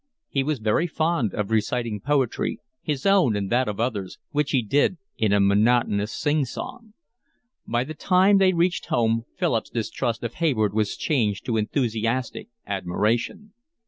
He was very fond of reciting poetry, his own and that of others, which he did in a monotonous sing song. By the time they reached home Philip's distrust of Hayward was changed to enthusiastic admiration.